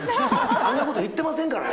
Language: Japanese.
あんなこと言ってませんからね。